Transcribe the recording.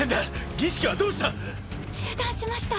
儀式はどうした⁉中断しました。